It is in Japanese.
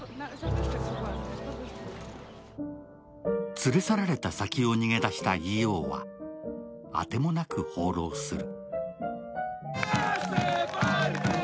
連れ去られた先を逃げ出したＥＯは当てもなく放浪する。